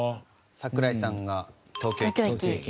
桜井さんが東京駅。